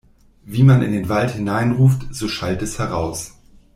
Wie man in den Wald hineinruft, so schallt es heraus.